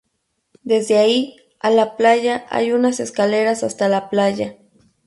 Desde ahí a la playa hay unas escaleras hasta la playa.